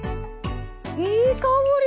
いい香り！